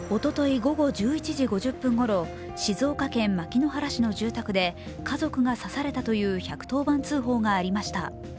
午後１１時５０分ごろ、静岡県牧之原市の住宅で家族が刺されたという１１０番通報がありました。